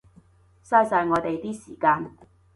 嘥晒我哋啲時間